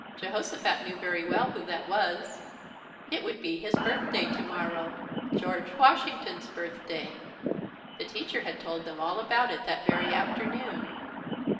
Jehosophat knew very well who that was. It would be his birthday tomorrow George Washington's birthday. The teacher had told them all about it that very afternoon.